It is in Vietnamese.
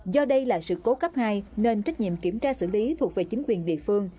do đây là sự cố cấp hai nên trách nhiệm kiểm tra xử lý thuộc về chính quyền địa phương